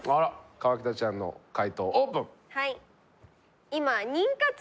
河北ちゃんの解答オープン。